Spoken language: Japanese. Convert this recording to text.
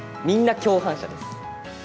みんな共犯者です。